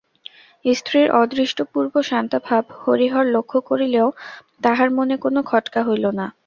স্ত্রীর অদৃষ্টপূর্ব শাস্তাভাব হরিহর লক্ষ করিলেও তাহার মনে কোনো খটকা হইল না।